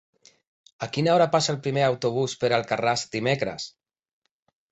A quina hora passa el primer autobús per Alcarràs dimecres?